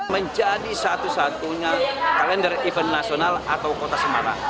menjadi satu satunya kalender event nasional atau kota semarang